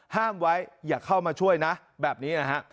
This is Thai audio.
ห้ามไว้อย่าเข้ามาช่วยนะแบบนี้นะฮะ